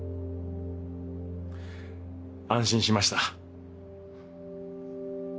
安心しました。